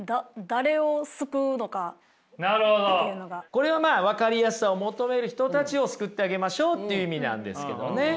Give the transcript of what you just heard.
これはまあ分かりやすさを求める人たちを救ってあげましょうっていう意味なんですけどね。